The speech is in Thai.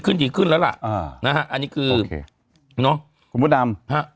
ขึ้นดีขึ้นแล้วล่ะอ้าวอันนี้คือโอเคน้องคุณบัตรดาม